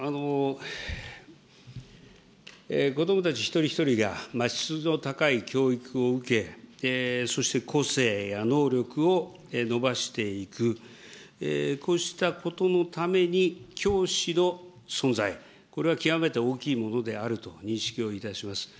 子どもたち一人一人が質の高い教育を受け、そして個性や能力を伸ばしていく、こうしたことのために教師の存在、これは極めて大きいものであると認識をいたします。